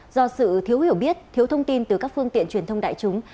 do sự thiếu hiểu biết thiếu thông tin từ các phương tiện truyền thông đại chúng